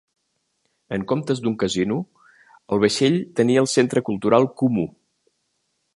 En comptes d'un casino, el vaixell tenia el Centre Cultural Kumu.